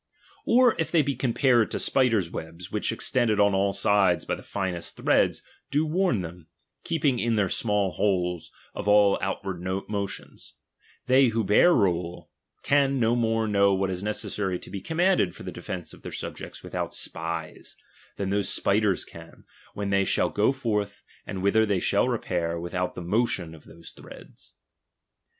Or if they be compared to spider's webs, which, extended on all sides by the finest threads, do warn them, keeping in their small holes, of all outward motions ; they who bear rule, can uo more know what is necessary to be commanded for the defence of their subjects without spies, than those spiders can, when they shall go forth, and whither they shall repair, "nithout the motion of those threads.